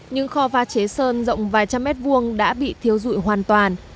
nhưng kho va chế sơn rộng vài trăm mét vuông đã bị thiếu dụi hoàn toàn